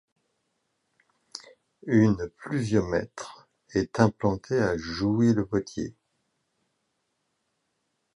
Une pluviomètre est implanté à Jouy-le-Potier.